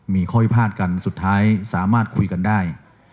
มีข้อพิพาทกันสุดท้ายสามารถคุยกันได้